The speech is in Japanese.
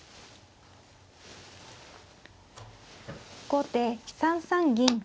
後手３三銀。